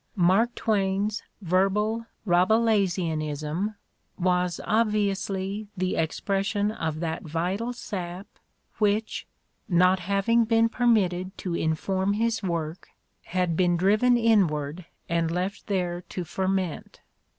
Mark Twain's verbal Rabelaisianism was obviously the ex pression of that vital sap which, not having been per mitted to inform his work, had been driven inward and left there to ferment.